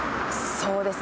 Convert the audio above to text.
そうですね。